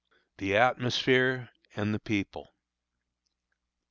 THE ATMOSPHERE AND THE PEOPLE.